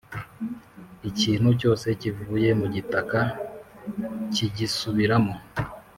Ikintu cyose kivuye mu gitaka, kigisubiramo,